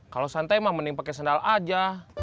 kalau santai mah mending pakai sendal aja